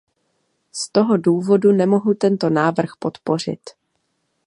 Z toho důvodu nemohu tento návrh podpořit.